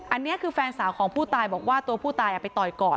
อันนี้คือแฟนสาวของผู้ตายบอกว่าตัวผู้ตายไปต่อยก่อน